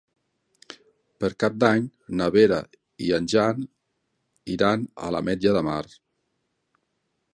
Per Cap d'Any na Vera i en Jan iran a l'Ametlla de Mar.